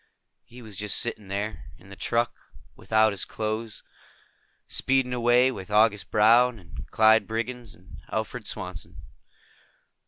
He was just sitting there, in the truck, without his clothes, speeding away with August Brown and Clyde Briggs and Alfred Swanson.